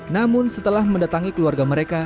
namun setelah mendatangi keluarga mereka